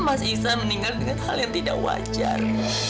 mas iksan meninggal dengan hal yang tidak wajar